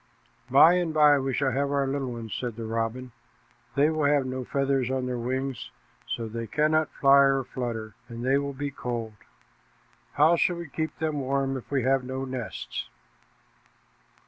"By and by we shall have our little ones," said the robin. "They will have no feathers on their wings, so they cannot fly or flutter; and they will be cold. How shall we keep them warm if we have no nests?"